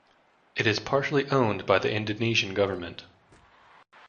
It is partially owned by the Indonesian government.